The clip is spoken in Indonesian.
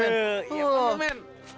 iya bang bener